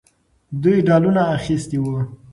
دوی ډالونه اخیستي وو.